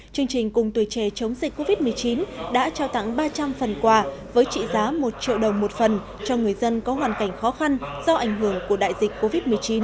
chương trình cùng tuổi trẻ chống dịch covid một mươi chín đã trao tặng ba trăm linh phần quà với trị giá một triệu đồng một phần cho người dân có hoàn cảnh khó khăn do ảnh hưởng của đại dịch covid một mươi chín